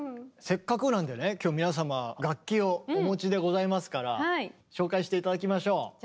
せっかくなんでね今日皆様楽器をお持ちでございますから紹介して頂きましょう。